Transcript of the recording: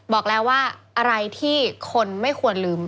บอกแล้วว่าอะไรที่คนไม่ควรลืม